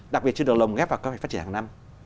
đặc biệt chưa được lồng ghép vào kế hoạch phát triển hàng năm